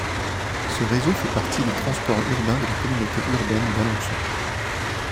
Ce réseau fait partie des Transports urbains de la communauté urbaine d'Alençon.